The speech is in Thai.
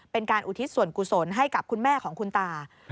อุทิศส่วนกุศลให้กับคุณแม่ของคุณตา